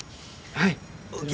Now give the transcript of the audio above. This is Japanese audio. はい。